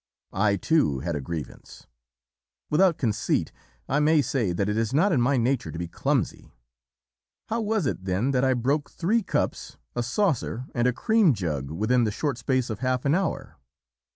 "I, too, had a grievance. Without conceit I may say that it is not in my nature to be clumsy. How was it then that I broke three cups, a saucer, and a cream jug within the short space of half an hour?